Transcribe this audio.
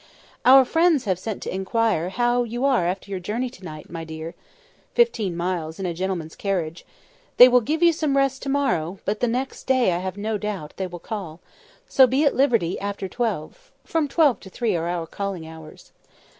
"Our friends have sent to inquire how you are after your journey to night, my dear" (fifteen miles in a gentleman's carriage); "they will give you some rest to morrow, but the next day, I have no doubt, they will call; so be at liberty after twelve—from twelve to three are our calling hours."